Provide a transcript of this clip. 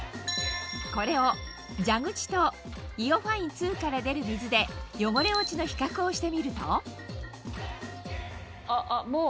これを蛇口とＩＯファイン２から出る水で汚れ落ちの比較をしてみるとあっあっもう。